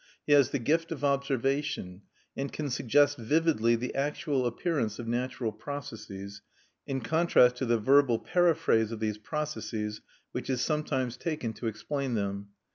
He has the gift of observation, and can suggest vividly the actual appearance of natural processes, in contrast to the verbal paraphrase of these processes which is sometimes taken to explain them.